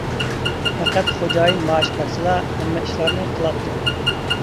پەقەت خوجايىن مائاش بەرسىلا، ھەممە ئىشلارنى قىلاتتى.